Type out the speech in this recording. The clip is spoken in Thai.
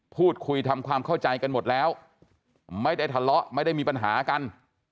พูดคุยทำความเข้าใจกันหมดแล้วไม่ได้ทะเลาะไม่ได้มีปัญหากัน